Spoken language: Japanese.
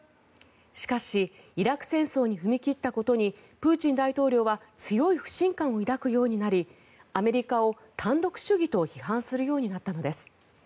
しかしイラク戦争に踏み切ったことにプーチン大統領は強い不信感を抱くようになりアメリカを単独主義と批判するようになったのです。